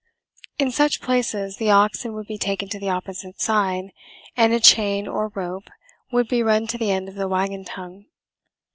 In such places the oxen would be taken to the opposite side, and a chain or rope would be run to the end of the wagon tongue.